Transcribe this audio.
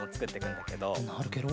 なるケロ。